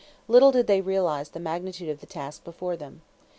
Little did they realize the magnitude of the task before them.